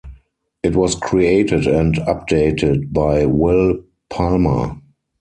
It was created and updated by Wil Palma.